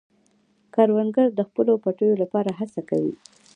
کروندګر د خپلو پټیو لپاره هڅه کوي